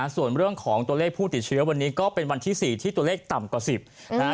ส่วนเรื่องของตัวเลขผู้ติดเชื้อวันนี้ก็เป็นวันที่๔ที่ตัวเลขต่ำกว่า๑๐นะฮะ